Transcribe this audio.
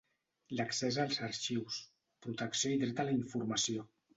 L'accés als arxius: protecció i dret a la informació.